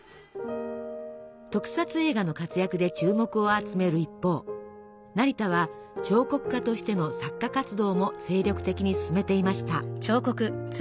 特撮映画の活躍で注目を集める一方成田は彫刻家としての作家活動も精力的に進めていました。